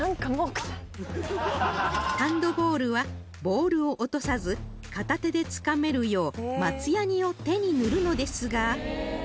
ハンドボールはボールを落とさず片手でつかめるよう松やにを手に塗るのですが